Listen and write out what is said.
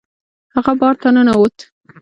هغه بار ته ننوت.